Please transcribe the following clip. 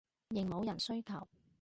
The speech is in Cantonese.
應某人需求